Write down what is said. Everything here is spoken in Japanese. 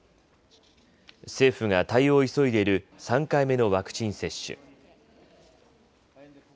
政府が対応を急いでいる３回目のワクチン接種。